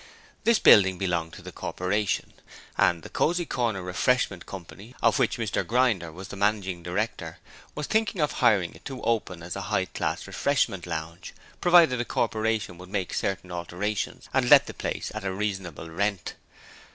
This building belonged to the Corporation, and 'The Cosy Corner Refreshment Coy.' of which Mr Grinder was the managing director, was thinking of hiring it to open as a high class refreshment lounge, provided the Corporation would make certain alterations and let the place at a reasonable rent.